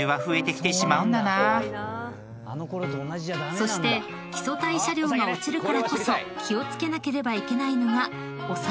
［そして基礎代謝量が落ちるからこそ気を付けなければいけないのがお酒］